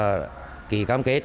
tổ chức kỳ cam kết